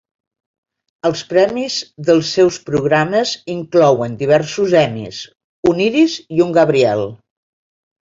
Els premis dels seus programes inclouen diversos Emmys, un Iris i un Gabriel.